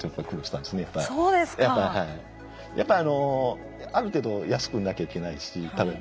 やっぱりある程度安くなきゃいけないし。